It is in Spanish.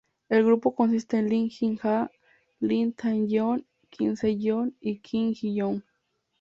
El grupo consiste en Lee Jin-ah, Lee Tae-yeon, Kim Se-yeon y Kim Ji-young.